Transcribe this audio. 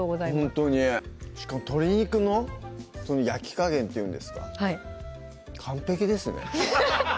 しかも鶏肉の焼き加減っていうんですか完璧ですね